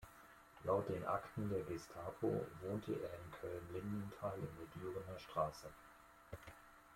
Laut den Akten der Gestapo wohnte er in Köln-Lindenthal in der Dürener Str.